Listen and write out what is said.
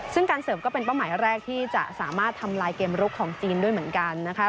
ซึ่งการเสิร์ฟก็เป็นเป้าหมายแรกที่จะสามารถทำลายเกมลุกของจีนด้วยเหมือนกันนะคะ